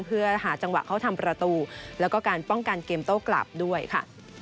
เพื่อหาจังหวะเขาทำประตูแล้วก็การป้องกันเกมโต้กลับด้วยค่ะ